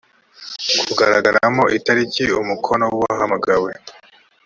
kugaragaramo itariki umukono w uwahamagawe